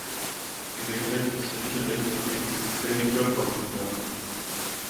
Die senkrechten Striche rechts und links stellen die Türpfosten dar.